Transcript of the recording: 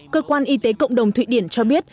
cơ quan y tế cộng đồng thụy điển cho biết